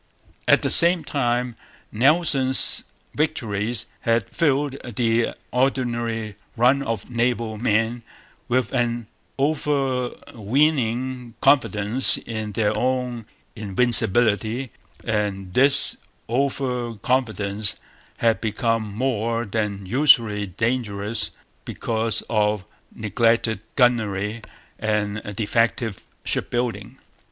At the same time, Nelson's victories had filled the ordinary run of naval men with an over weening confidence in their own invincibility; and this over confidence had become more than usually dangerous because of neglected gunnery and defective shipbuilding.